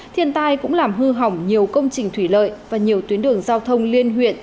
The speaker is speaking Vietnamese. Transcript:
thiên tai cũng làm hư hỏng nhiều công trình thủy lợi và nhiều tuyến đường giao thông liên huyện